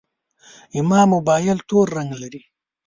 زما موبایل تور رنګ لري.